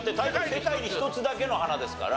『世界に一つだけの花』ですから。